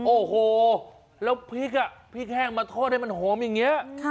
โอ้โหแล้วพริกอ่ะพริกแห้งมาทอดให้มันหอมอย่างนี้